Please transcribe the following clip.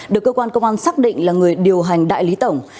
được cơ quan công an xác định là người điều hành đại lý tổng